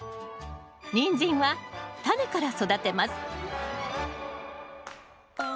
ニンジンはタネから育てます